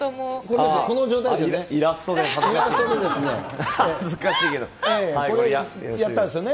この状態ですよね。